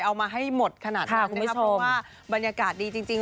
เอามาให้หมดขนาดนั้นนะครับเพราะว่าบรรยากาศดีจริง